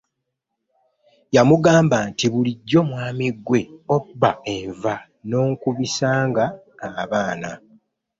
Yamugamba nti bulijjo mwami ggwe obba enva n’onkubisanga abaana?